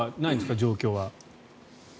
状況は。